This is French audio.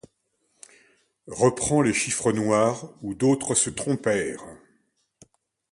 Reprends les chiffres noirs, où d’autres se trompèrent